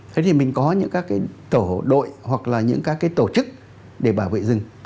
thế thì mình có những các cái tổ đội hoặc là những các cái tổ chức để bảo vệ rừng